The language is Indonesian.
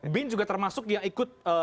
bin juga termasuk dia ikut